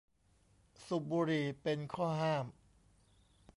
สุบบุหรี่เป็นข้อห้าม